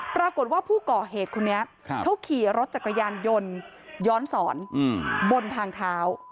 ปรากฏว่าผู้ก่อเหตุคนนี้เขาขี่รถจักรยานยนต์ย้อนสอนบนทางเท้า